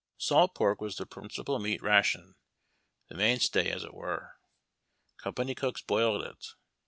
Salt pork was the principal • meat ration — the main stay as it were. Company cooks boiled it.